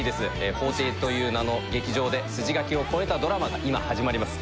法廷という名の劇場で筋書を超えたドラマが今始まります。